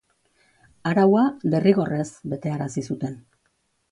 Araua derrigorrez betearazi zuten.